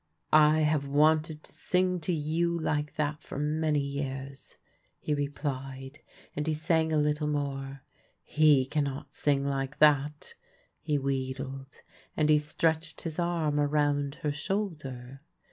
" I have wanted to sing to you like that for many years," he replied ; and he sang a little more. " He cannot sing like that," he wheedled, and he stretched his arm around her shoulder.